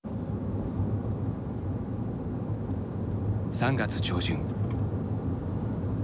３月上旬。